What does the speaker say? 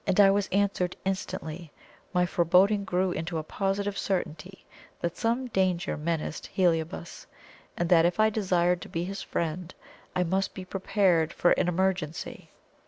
I was answered instantly my foreboding grew into a positive certainty that some danger menaced Heliobas, and that if I desired to be his friend, I must be prepared for an emergency.